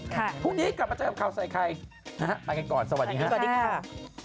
ค่ะพรุ่งนี้กลับมาเจอกันครับค่ะไปกันก่อนสวัสดีครับสวัสดีครับ